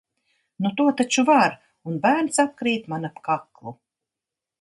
Nu to taču var! un bērns apkrīt man ap kaklu...